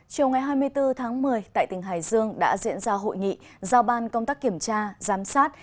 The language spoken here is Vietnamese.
chiều ngày hai mươi bốn tháng một mươi tại tỉnh hải dương đã diễn ra hội nghị giao ban công tác kiểm tra giám sát